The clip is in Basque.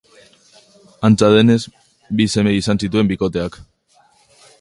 Antza denez, bi seme izan zituen bikoteak.